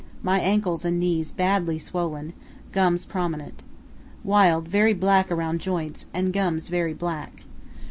My ankles and knees badly swollen, gums prominent. Wild, very black around joints, and gums very black.